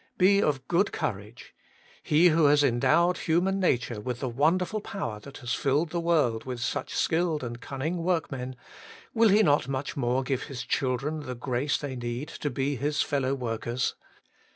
Be of good courage. He who has endowed human nature with the wonderful power that has filled the world with such skilled and cunning workmen, will He not much more give His children the grace they need to be His fellow workers?